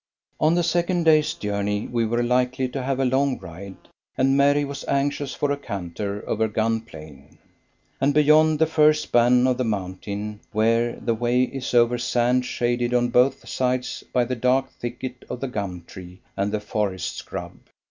On the second day's journey we were likely to have a long ride, and Mary was anxious for a canter over Gum Plain, and beyond the first span of the mountain, where the way is over sand, shaded on both sides by the dark thicket of the gum tree and the forest scrub.